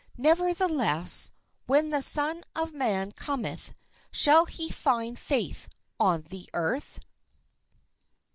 Nevertheless when the Son of man cometh, shall he find faith on the earth?